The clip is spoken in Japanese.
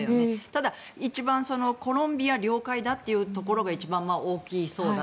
ただ、一番コロンビア領海だというところが一番大きそうだ。